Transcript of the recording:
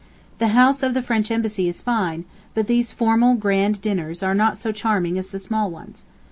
The house of the French Embassy is fine, but these formal grand dinners are not so charming as the small ones.